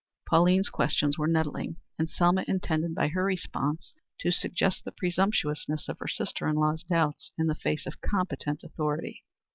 Pauline's questions were nettling, and Selma intended by her response to suggest the presumptuousness of her sister in law's doubts in the face of competent authority.